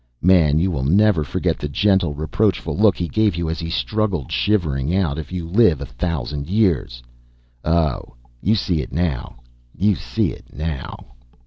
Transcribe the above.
Man, you will never forget the gentle, reproachful look he gave you as he struggled shivering out, if you live a thousand years! Oh! you see it now, you see it now!"